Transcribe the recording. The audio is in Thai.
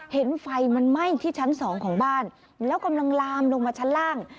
เห็นไฟมันไหม้ที่ชั้นสองของบ้านแล้วกำลังลามลงมาชั้นล่าง